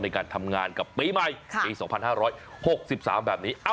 ในการทำงานกับปีใหม่ปี๒๕๖๓แบบนี้